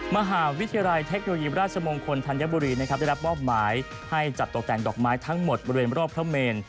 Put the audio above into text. มหาวิทยาลัยเทคโนโลยีราชมงคลธัญบุรีนะครับได้รับมอบหมายให้จัดตกแต่งดอกไม้ทั้งหมดบริเวณรอบพระเมน